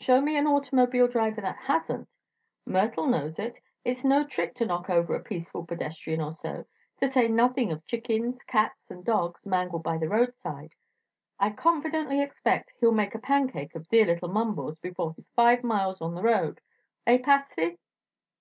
"Show me an automobile driver that hasn't. Myrtle knows. It's no trick to knock over a peaceful pedestrian or so, to say nothing of chickens, cats and dogs mangled by the roadside. I confidently expect he'll make a pancake of dear little Mumbles before he's five miles on the road. Eh, Patsy?"